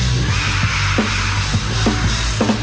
ส่วนยังแบร์ดแซมแบร์ด